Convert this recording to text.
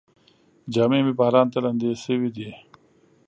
جامې مې باران ته لمدې شوې دي.